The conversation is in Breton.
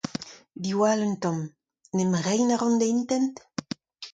Diwall un tamm. En em reiñ a ran da intent ?